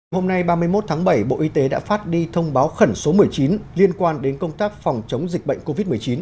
hôm nay ba mươi một tháng bảy bộ y tế đã phát đi thông báo khẩn số một mươi chín liên quan đến công tác phòng chống dịch bệnh covid một mươi chín